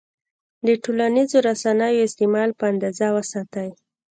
د ټولنیزو رسنیو استعمال په اندازه وساتئ.